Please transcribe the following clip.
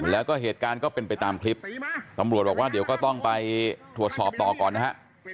แล้วก็เหตุการณ์ก็เป็นไปตามคลิปตำรวจบอกว่าเดี๋ยวก็ต้องไปตรวจสอบต่อก่อนนะฮะ